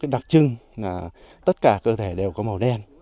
đặc trưng là tất cả cơ thể đều có màu đen